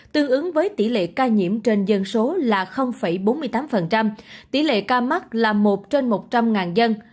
tương ứng với tỷ lệ ca nhiễm trên dân số là bốn mươi tám tỷ lệ ca mắc là một trên một trăm linh dân